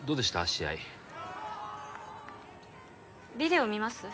試合ビデオ見ます？